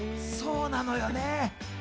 そうなのよね。